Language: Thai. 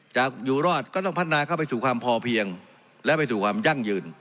อยู่รอดก็ต้องพัฒนาเข้าไปสู่ความพอเพียงและไปสู่ความยั่งยืน